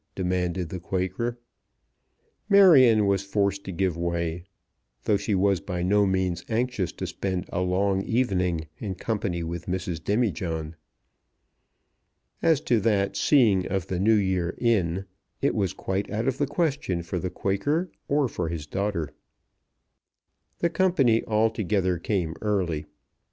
demanded the Quaker. Marion was forced to give way, though she was by no means anxious to spend a long evening in company with Mrs. Demijohn. As to that seeing of the New Year in, it was quite out of the question for the Quaker or for his daughter. The company altogether came early.